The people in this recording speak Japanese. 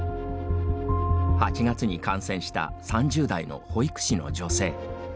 ８月に感染した３０代の保育士の女性。